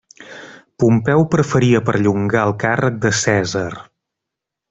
Pompeu preferia perllongar el càrrec de Cèsar.